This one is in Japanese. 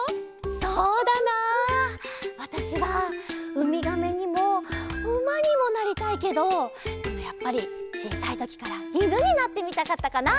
そうだなわたしはうみがめにもうまにもなりたいけどでもやっぱりちいさいときからいぬになってみたかったかな。